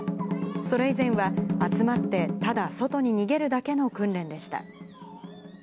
それ以前は、集まって、ただ外に逃げるだけの訓練でした。